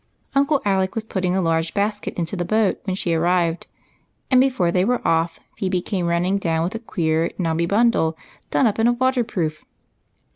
Uncle Alec was putting a large basket into the boat when she arrived, and before they were off Phebe came running down with a queer, knobby bundle done up in a water proof.